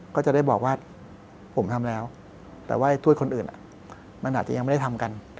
ก็จะได้บอกว่าผมทำแล้วแต่ว่าถ้วยคนอื่นมันอาจจะยังไม่ได้ทำกัน